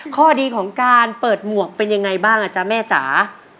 ข้อดีของการเปิดหมวกเป็นยังไงบ้างอ่ะจ๊ะแม่จ๋า